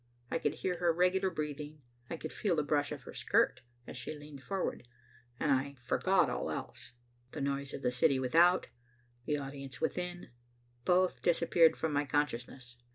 I could hear her regular breathing, I could feel the brush of her skirt as she leaned forward, and I forgot all else, the noise of the city without, the audience within, both disappeared from my consciousness.